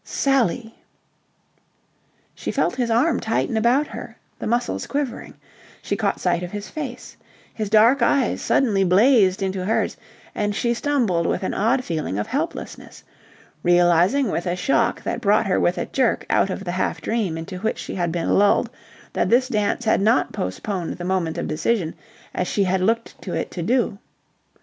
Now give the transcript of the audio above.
"Sally!" She felt his arm tighten about her, the muscles quivering. She caught sight of his face. His dark eyes suddenly blazed into hers and she stumbled with an odd feeling of helplessness; realizing with a shock that brought her with a jerk out of the half dream into which she had been lulled that this dance had not postponed the moment of decision, as she had looked to it to do.